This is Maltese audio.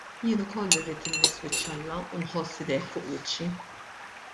Jien ukoll irrid immiss wiċċ Alla u nħoss idejh fuq wiċċi.